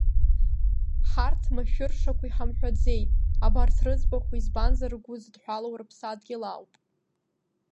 Ҳарҭ машәыршақә иҳамҳәаӡеит абарҭ рыӡбахә, избанзар ргәы зыдҳәалоу Рыԥсадгьыл ауп.